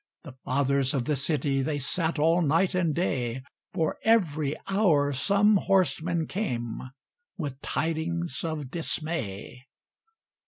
The Fathers of the City, They sat all night and day, For every hour some horseman came With tidings of dismay.